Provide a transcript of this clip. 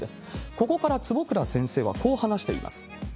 ここから坪倉先生はこう話しています。